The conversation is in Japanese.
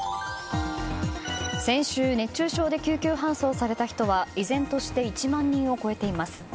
先週、熱中症で救急搬送された人は依然として１万人を超えています。